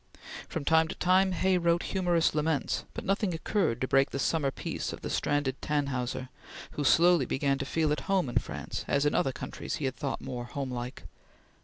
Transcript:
From time to time Hay wrote humorous laments, but nothing occurred to break the summer peace of the stranded Tannhauser, who slowly began to feel at home in France as in other countries he had thought more homelike.